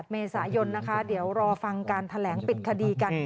เมษายนนะคะเดี๋ยวรอฟังการแถลงปิดคดีกัน